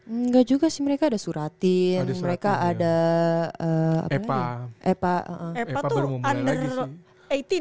enggak juga sih mereka ada suratin mereka ada apa lagi